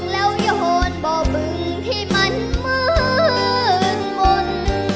แล้วยนบ่มึงที่มันมืดมน